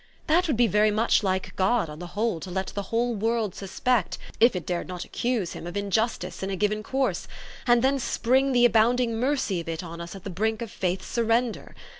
That would be very much like God, on the whole, to let the whole world suspect, if it dared not accuse, him of injustice in a given course, and then spring the abounding mercy of it on us at the brink of faith's surrender.